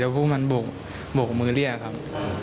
แล้วพวกมันบกมือเรียกครับ